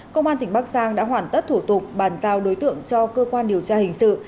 công an tỉnh bắc giang đã hoàn tất thủ tục bàn giao đối tượng cho cơ quan điều tra hình sự